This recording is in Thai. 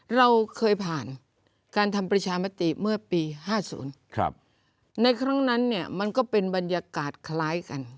เราเคยผ่านการทำประชามติเมื่อปี๕๐ในครั้งนั้นเนี่ยมันก็เป็นบรรยากาศคล้ายกัน